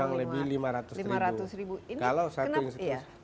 kalau satu institusi